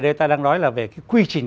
đây ta đang nói là về cái quy trình